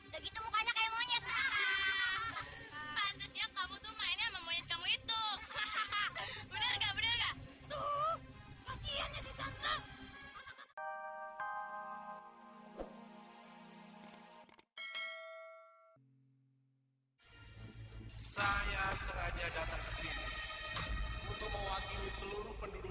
hai tuh kasihan ya si sandra saya sengaja datang ke sini untuk mewakili seluruh penduduk